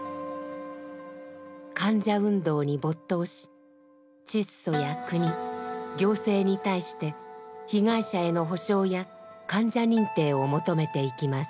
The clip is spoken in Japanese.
患者運動に没頭しチッソや国行政に対して被害者への補償や患者認定を求めていきます。